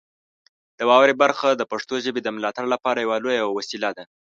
د واورئ برخه د پښتو ژبې د ملاتړ لپاره یوه لویه وسیله ده.